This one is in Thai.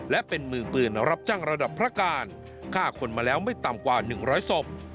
และเป็นมือปืนรับจ้างระดับพระการฆ่าคนมาแล้วไม่ต่ำกว่า๑๐๐ศพ